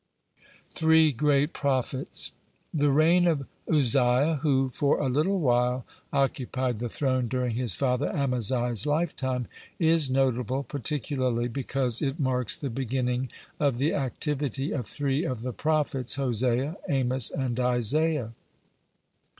(19) THREE GREAT PROPHETS The reign of Uzziah, who for a little while occupied the throne during his father Amaziah's lifetime, is notable particularly because it marks the beginning of the activity of three of the prophets, Hosea, Amos, and Isaiah.